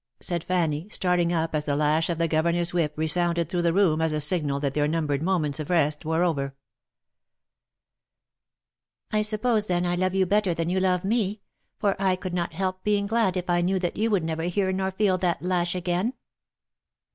said Fanny, starting up as the lash of the governor's whip resounded through the room as a signal that their numbered moments of rest were over. " I suppose then I love you better than you love me, for I could not help being glad if I knew that you would never hear nor feel that lash again